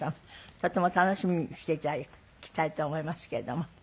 とても楽しみにして頂きたいと思いますけれども。